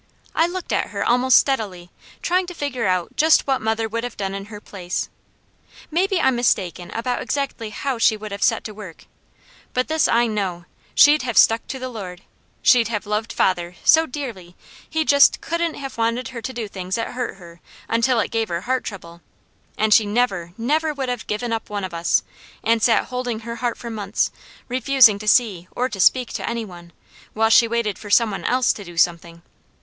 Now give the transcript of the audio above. I looked at her almost steadily, trying to figure out just what mother would have done in her place. Maybe I'm mistaken about exactly how she would have set to work, but this I KNOW: she'd have stuck to the Lord; she'd have loved father, so dearly, he just COULDN'T have wanted her to do things that hurt her until it gave her heart trouble; and she never, never would have given up one of us, and sat holding her heart for months, refusing to see or to speak to any one, while she waited for some one else to do something.